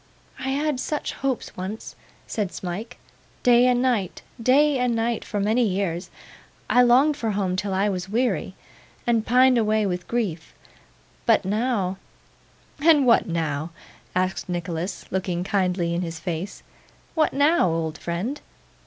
'I had such hopes once,' said Smike; 'day and night, day and night, for many years. I longed for home till I was weary, and pined away with grief, but now ' 'And what now?' asked Nicholas, looking kindly in his face. 'What now, old friend?